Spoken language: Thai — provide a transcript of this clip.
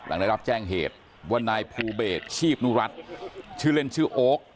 หลังได้รับแจ้งเหตุว่านายภูเบสชีพนุรัติชื่อเล่นชื่อโอ๊ค